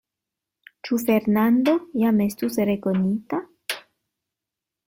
Ĉu Fernando jam estus rekonita?